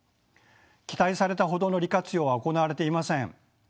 期待されたほどの利活用は行われていません。